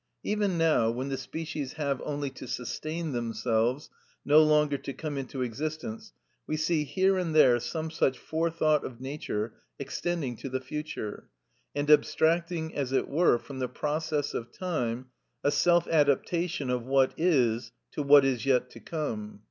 Even now, when the species have only to sustain themselves, no longer to come into existence, we see here and there some such forethought of nature extending to the future, and abstracting as it were from the process of time, a self adaptation of what is to what is yet to come.